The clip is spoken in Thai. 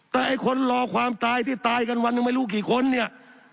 แต่ไอ้คนรอความตายที่ตายกันวันหนึ่งไม่รู้กี่คนเนี่ย